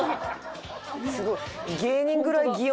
すごい。